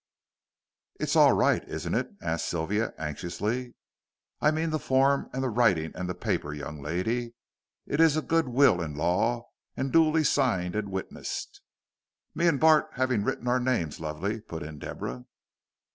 "It's all right, isn't it?" asked Sylvia, anxiously. "I mean the form and the writing and the paper, young lady. It is a good will in law, and duly signed and witnessed." "Me and Bart having written our names, lovey," put in Deborah.